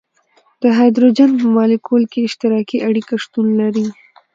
د هایدروجن په مالیکول کې اشتراکي اړیکه شتون لري.